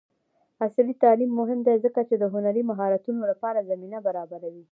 عصري تعلیم مهم دی ځکه چې د هنري مهارتونو لپاره زمینه برابروي.